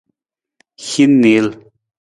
Hin niil.